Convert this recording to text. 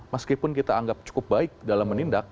meskipun kita anggap cukup baik dalam menindak